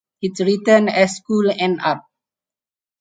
It returned as School nr.